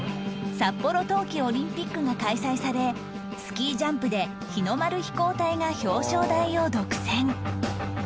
札幌冬季オリンピックが開催されスキージャンプで日の丸飛行隊が表彰台を独占